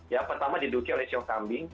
ya pertama diduki oleh sio kambing